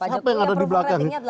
apa yang ada di belakang